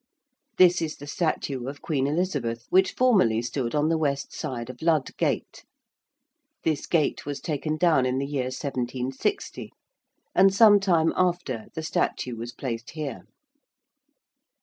This is the statue of Queen Elizabeth which formerly stood on the west side of Lud Gate. This gate was taken down in the year 1760, and some time after the statue was placed here.